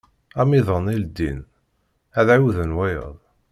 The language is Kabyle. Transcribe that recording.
Amiḍan i ldin, ad ɛiwden wayeḍ.